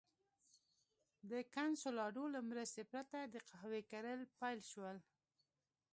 د کنسولاډو له مرستې پرته د قهوې کرل پیل شول.